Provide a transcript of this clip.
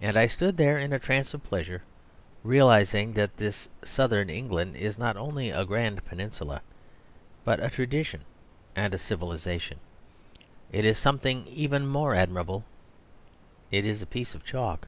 And I stood there in a trance of pleasure, realising that this Southern England is not only a grand peninsula, and a tradition and a civilisation; it is something even more admirable. It is a piece of chalk.